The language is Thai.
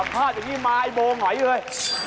สัมภาษณ์อย่างนี้มาไอ้โบ้หอยอยู่เลย